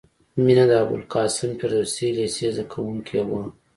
مینه د ابوالقاسم فردوسي لېسې زدکوونکې وه